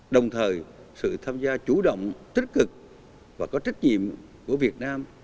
đồng thời sự tham gia chủ động tích cực và có trách nhiệm của việt nam